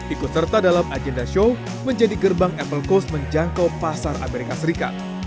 ikut serta dalam agenda show menjadi gerbang apple coast menjangkau pasar amerika serikat